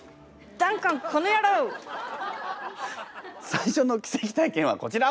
最初の奇跡体験はこちら！